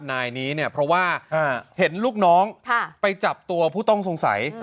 นายนี้เนี่ยเพราะว่าเห็นลูกน้องไปจับตัวผู้ต้องสงสัย